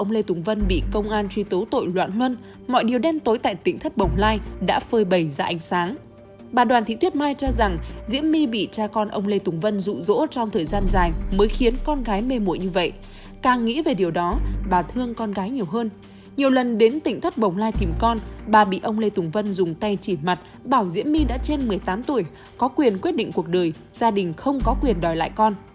lần đến tỉnh thất bồng lai tìm con bà bị ông lê tùng vân dùng tay chỉ mặt bảo diễm my đã trên một mươi tám tuổi có quyền quyết định cuộc đời gia đình không có quyền đòi lại con